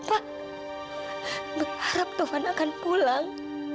pa berharap taufan akan pulang